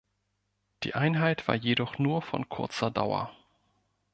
Die Einheit war jedoch nur von kurzer Dauer.